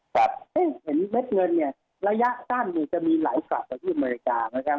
ครับเห็นเม็ดเงินเนี่ยระยะสั้นนี้จะมีหลายกลับไปที่อเมริกาเหมือนกัน